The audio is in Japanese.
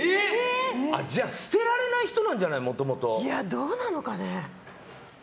じゃあ捨てられない人なんじゃない？どうなのかね。